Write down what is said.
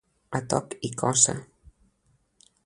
A toc i coça.